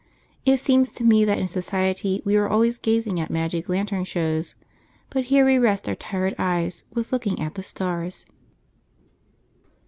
It seems to me that in society we are always gazing at magic lantern shows, but here we rest our tired eyes with looking at the stars.